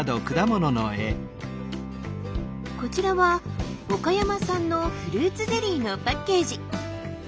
こちらは岡山産のフルーツゼリーのパッケージ。